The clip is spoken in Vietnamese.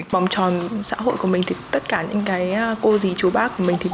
bòm tròn xã hội của mình thì tất cả những cô dì chú bác của mình